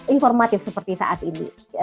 informatif seperti saat ini